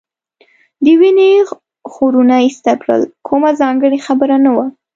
د وینې خورونه ایسته کړل، کومه ځانګړې خبره نه وه.